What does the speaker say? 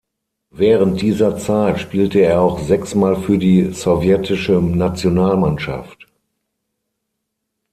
Während dieser Zeit spielte er auch sechsmal für die sowjetische Nationalmannschaft.